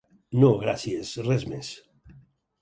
No gràcies, res més.